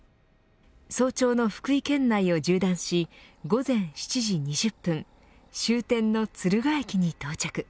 早朝の福井県内を縦断し午前７時２０分終点の敦賀駅に到着。